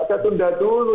saya tunda dulu